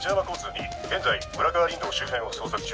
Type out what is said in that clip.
２現在村川林道周辺を捜索中。